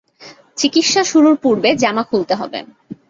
চিকিৎসা শুরুর পর্বে জামা খুলতে হবে।